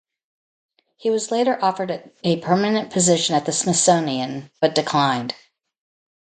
He was later offered a permanent position at the Smithsonian, but declined.